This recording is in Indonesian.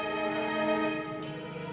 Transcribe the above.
mas erwin nungguin mobil di sini